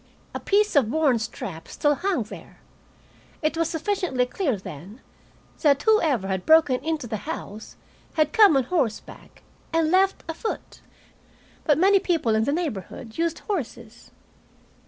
A piece of worn strap still hung there. It was sufficiently clear, then, that whoever had broken into the house had come on horseback and left afoot. But many people in the neighborhood used horses.